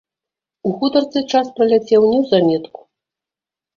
У гутарцы час праляцеў неўзаметку.